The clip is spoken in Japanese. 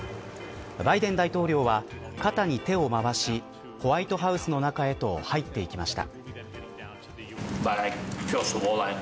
バイデン大統領は肩に手をまわしホワイトハウスの中へと入っていきました。